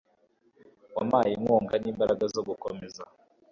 wampaye inkunga n'imbaraga zo gukomeza